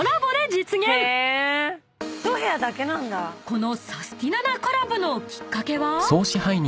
［このサスティななコラボのきっかけは？］